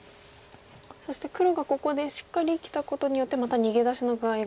そして黒がここでしっかり生きたことによってまた逃げ出しの具合が。